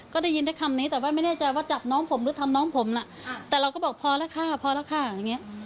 ก็ได้ยินแต่คำนี้แต่ว่าไม่แน่ใจว่าจับน้องผมหรือทำน้องผมน่ะแต่เราก็บอกพอแล้วค่ะพอแล้วค่ะอย่างเงี้ย